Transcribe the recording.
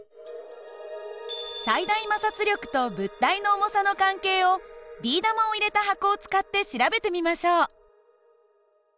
最大摩擦力と物体の重さの関係をビー玉を入れた箱を使って調べてみましょう。